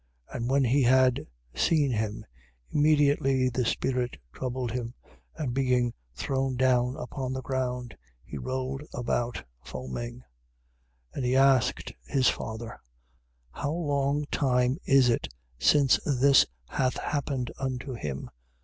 And when he had seen him, immediately the spirit troubled him and being thrown down upon the ground, he rolled about foaming. 9:20. And he asked his father: How long time is it since this hath happened unto him?